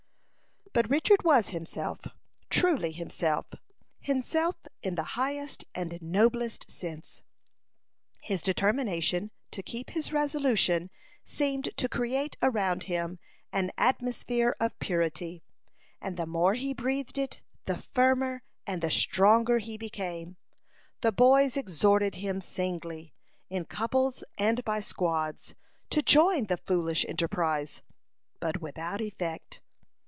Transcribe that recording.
But Richard was himself, truly himself himself in the highest and noblest sense. His determination to keep his resolution seemed to create around him an atmosphere of purity, and the more he breathed it, the firmer and the stronger he became. The boys exhorted him singly, in couples, and by squads, to join the foolish enterprise, but without effect.